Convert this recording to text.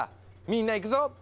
みんないくぞ！